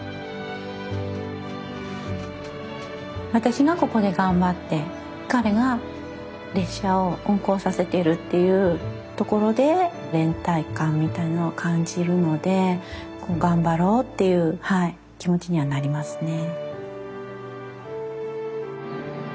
私がここで頑張って彼が列車を運行させているっていうところで連帯感みたいなのを感じるのでこう頑張ろうっていうはい気持ちにはなりますね。